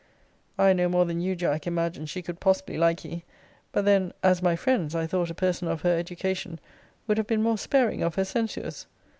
I, no more than you, Jack, imagined she could possibly like ye: but then, as my friends, I thought a person of her education would have been more sparing of her censures.